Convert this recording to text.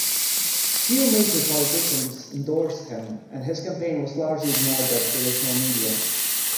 Few major politicians endorsed him, and his campaign was largely ignored by traditional media.